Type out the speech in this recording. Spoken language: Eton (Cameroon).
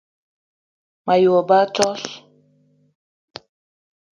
Me yi wa ba a tsoss!